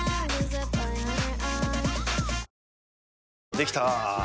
できたぁ。